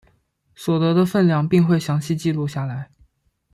所得的份量并会详细记录下来。